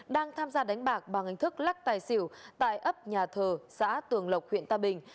đang tham gia đánh bạc bằng hình thức lắc tài xỉu tại ấp nhà thờ xã tường lộc huyện tam bình